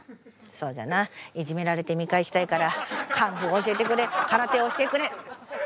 そうじゃないじめられて見返したいからカンフー教えてくれ空手教えてくれ。